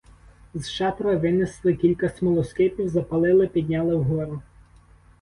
З шатра винесли кілька смолоскипів, запалили, підняли вгору.